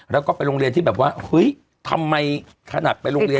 แล้วก็ไปโรงเรียนที่แบบว่าเฮ้ยทำไมขนาดไปโรงเรียน